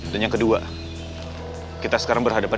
dan yang kedua kita sekarang berhadapan